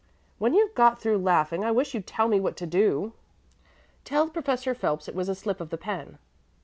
"When you've got through laughing, I wish you'd tell me what to do." "Tell Professor Phelps it was a slip of the pen."